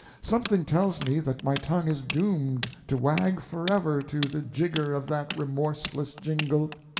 Something tells me that my tongue is doomed to wag forever to the jigger of that remorseless jingle.